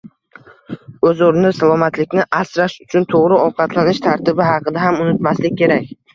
Oʻz oʻrnida salomatlikni asrash uchun toʻgʻri ovqatlanish tartibi haqida ham unutmaslik kerak.